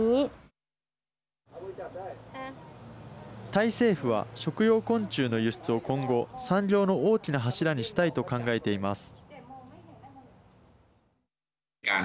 タイ政府は、食用昆虫の輸出を今後、産業の大きな柱にしたいと考えています。